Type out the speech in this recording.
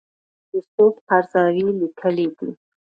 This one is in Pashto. یوسف قرضاوي لیکلي دي.